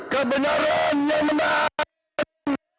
kebenaran yang benar